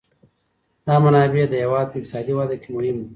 دا منابع د هېواد په اقتصادي وده کي مهم دي.